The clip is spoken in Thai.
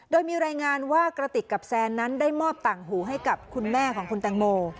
โดยมีรายงานว่ากระติกกับแซนนั้นได้มอบต่างหูให้กับคุณแม่ของคุณแตงโม